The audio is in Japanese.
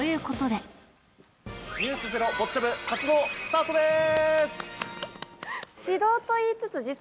「ｎｅｗｓｚｅｒｏ」ボッチャ部活動スタートです。